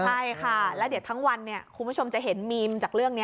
ใช่ค่ะแล้วเดี๋ยวทั้งวันคุณผู้ชมจะเห็นมีมจากเรื่องนี้